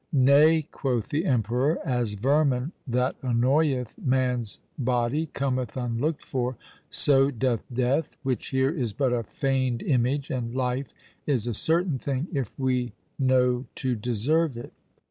'Nay,' quoth the emperor, 'as vermin that annoyeth man's body cometh unlooked for, so doth death, which here is but a fained image, and life is a certain thing, if we know to deserve it.'"